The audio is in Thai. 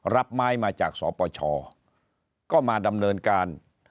รับไม้มาจากสปชก็มาดำเนินการ